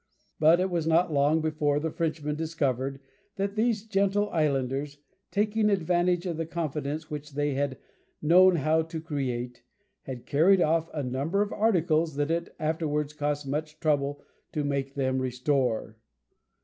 But it was not long before the Frenchmen discovered that these gentle islanders, taking advantage of the confidence which they had known how to create, had carried off a number of articles that it afterwards cost much trouble to make them restore.